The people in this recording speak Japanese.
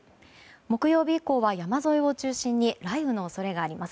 木曜日以降は山沿いを中心に雷雨の恐れがあります。